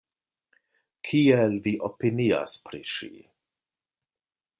Kiel vi opinias pri ŝi?